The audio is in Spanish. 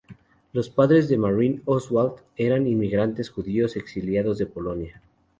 Los padres de Marianne Oswald eran inmigrantes judíos exiliados de Polonia.